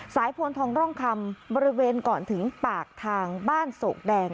พลทองร่องคำบริเวณก่อนถึงปากทางบ้านโศกแดง